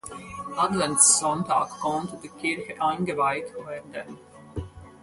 Adventssonntag, konnte die Kirche eingeweiht werden.